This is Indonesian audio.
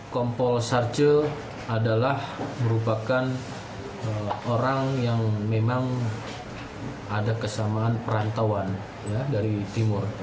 kompol sarce adalah merupakan orang yang memang ada kesamaan perantauan dari timur